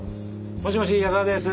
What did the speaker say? もしもし矢沢です。